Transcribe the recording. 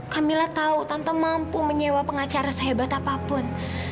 camilla tahu tante mampu menyewa pengacara sehebat apapun